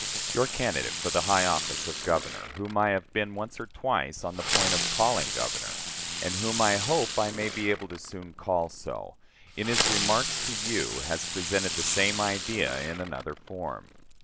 Your candidate for the high office of Governor whom I have been once or twice on the point of calling Governor, and whom I hope I may be able soon to call so in his remarks to you has presented the same idea in another form.